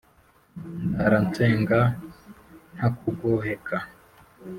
Ndara nsenga ntakugoheka